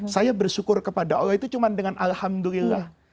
saya bersyukur kepada allah itu cuma dengan alhamdulillah